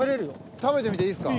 食べてみていいですか？